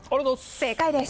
正解です。